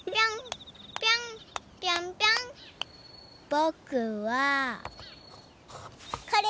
ぼくはこれ！